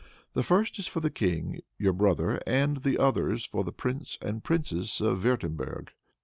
The first is for the king, your brother, and the others for the prince and princesses of Wirtemberg.